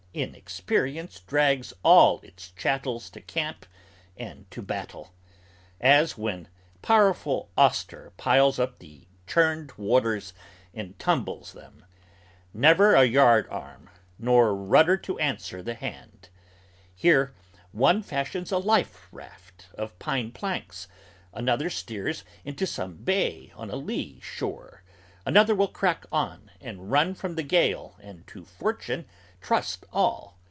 Inexperience drags all Its chattels to camp and to battle: as, when powerful Auster Piles up the churned waters and tumbles them: never a yard arm Nor rudder to answer the hand, here, one fashions a life raft Of pine planks, another steers into some bay on a lee shore, Another will crack on and run from the gale and to Fortune Trust all!